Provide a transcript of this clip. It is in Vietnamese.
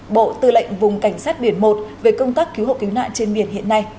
bộ tư lệnh vùng cảnh sát biển một về công tác cứu hộ cứu nạn trên biển hiện nay